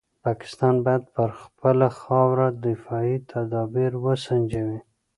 پاکستان باید پر خپله خاوره دفاعي تدابیر وسنجوي.